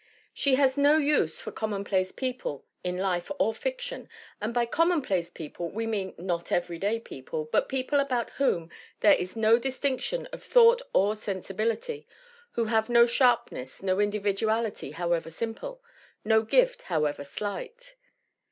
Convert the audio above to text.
She has no use for commonplace people in life or fiction; and by commonplace people we mean not everyday people, but people .about whom there is no distinction of thought or sensibility, who have no sharpness, no individuality however simple, no gift however slight.